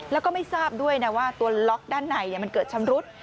แล้วก็ไม่ทราบด้วยนะว่าตัวล็อกด้านในมันเกิดชำรุด